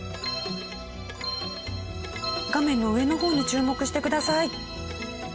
画面の上の方に注目してください。